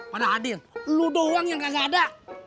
pada hadir lu doang yang gak ada